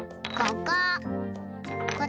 ここ。